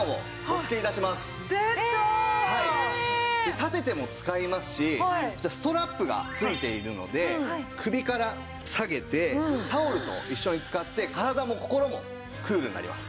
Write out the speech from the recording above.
立てても使えますしこちらストラップが付いているので首から下げてタオルと一緒に使って体も心もクールになります。